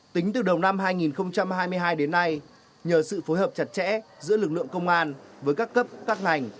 tính từ đầu năm hai nghìn hai mươi hai đến nay nhờ sự phối hợp chặt chẽ giữa lực lượng công an với các cấp các ngành